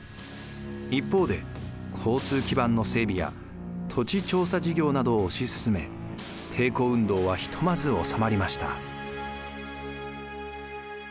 一方で交通基盤の整備や土地調査事業などを推し進め抵抗運動はひとまず収まりました。